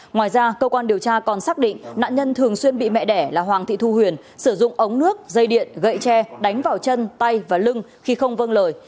ngoài ra cơ quan điều tra còn xác định nạn nhân thường xuyên bị mẹ đẻ là hoàng thị thu huyền sử dụng ống nước dây điện gậy tre đánh vào chân tay và lưng khi không vâng lời